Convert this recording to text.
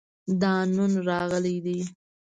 دا نن راغلی دی